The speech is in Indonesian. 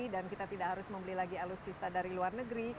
dan kita tidak harus membeli lagi alutsista dari luar negeri